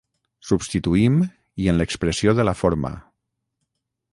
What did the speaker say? Substituïm i en l'expressió de la forma.